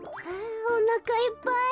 おなかいっぱい。